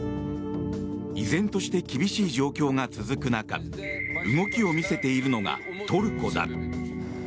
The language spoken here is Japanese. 依然として厳しい状況が続く中動きを見せているのがトルコだ。